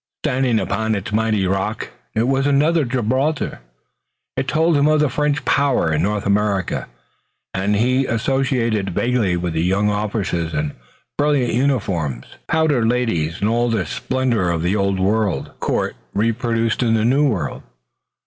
Standing upon its mighty rock, it was another Gibraltar. It told him of the French power in North America, and he associated it vaguely with young officers in brilliant uniforms, powdered ladies, and all the splendor of an Old World court reproduced in the New World.